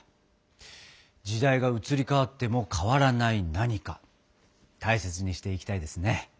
時代が移り変わっても変わらない何か大切にしていきたいですね。